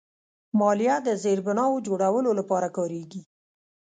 مالیه د زیربناوو جوړولو لپاره کارېږي.